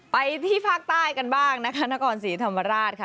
ไปที่ภาคใต้กันบ้างนะคะนครศรีธรรมราชค่ะ